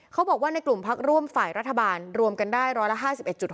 เขาบอกว่าในกลุ่มพักร่วมฝ่ายรัฐบาลรวมกันได้ร้อยละ๕๑๕